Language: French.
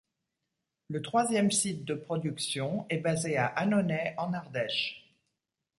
Le troisième site de production est basé à Annonay, en Ardèche.